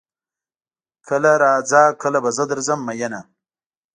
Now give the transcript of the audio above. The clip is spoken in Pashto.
کله راځه کله به زه درځم ميينه